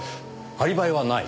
アリバイはない。